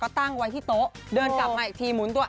ก็ตั้งไว้ที่โต๊ะเดินกลับมาอีกทีหมุนตัว